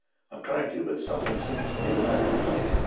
"I'm trying to, but something seems to be the matter."